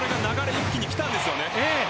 一気にきたんですよね。